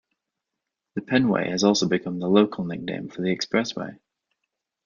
The Penway has also become the local nickname for the Expressway.